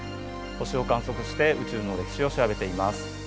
星を観測して宇宙の歴史を調べています。